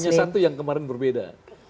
hanya satu yang kemarin berbeda